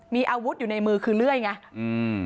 มีอาวุธอยู่ในมือคือเลื่อยไงอืม